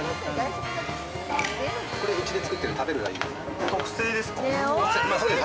これは、うちで作ってる食べるラー油。